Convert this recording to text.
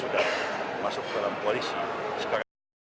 dan polisi sekarang